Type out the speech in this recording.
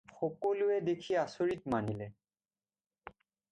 সকলোৱে দেখি আচৰিত মানিলে।